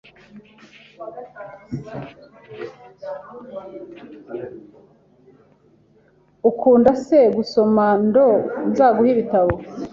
Ukunda se gusoma ndo nzaguhe ibitabo?